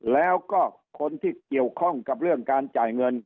แล้วก็คนที่เกี่ยวข้องกับเรื่องการจ่ายเงิน